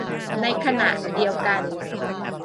ในขณะเดียวกัน